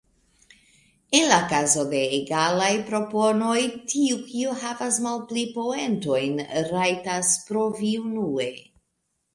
En la kazo de egalaj proponoj, tiu kiu havas malpli poentojn rajtas provi unue.